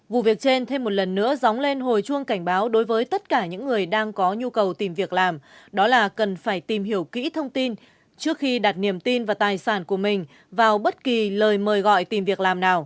vụ việc trên thêm một lần nữa dóng lên hồi chuông cảnh báo đối với tất cả những người đang có nhu cầu tìm việc làm đó là cần phải tìm hiểu kỹ thông tin trước khi đặt niềm tin và tài sản của mình vào bất kỳ lời mời gọi tìm việc làm nào